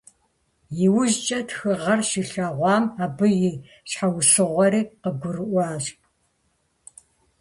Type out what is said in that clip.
ИужькӀэ тхыгъэр щилъэгъуам абы и щхьэусыгъуэри къыгурыӀуащ.